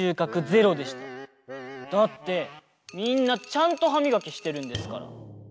だってみんなちゃんとはみがきしてるんですから。